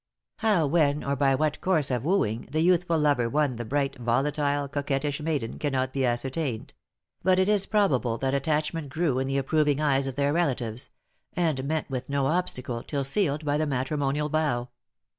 How, when, or by what course of wooing, the youthful lover won the bright, volatile, coquettish maiden, cannot be ascertained; but it is probable their attachment grew in the approving eyes of their relatives, and met with no obstacle till sealed by the matrimonial vow.